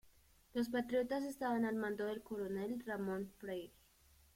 Los patriotas estaban al mando del coronel Ramón Freire.